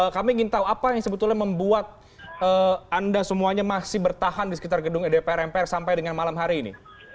kami ingin tahu apa yang sebetulnya membuat anda semuanya masih bertahan di sekitar gedung dpr mpr sampai dengan malam hari ini